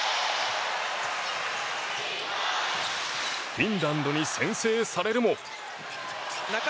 フィンランドに先制されるも。